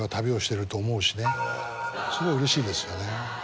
すごいうれしいですよね。